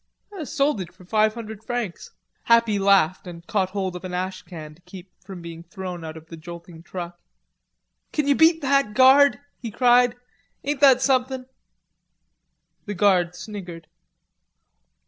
"Sold it for five hundred francs." Happy laughed, and caught hold of an ash can to keep from being thrown out of the jolting truck. "Kin ye beat that, guard?" he cried. "Ain't that somethin'?" The guard sniggered.